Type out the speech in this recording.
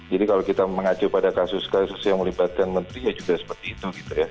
jadi kalau kita mengacu pada kasus kasus yang melibatkan menteri ya juga seperti itu gitu ya